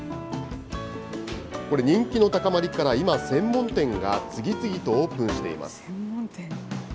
これ人気の高まりから今、専門店が次々とオープンしています。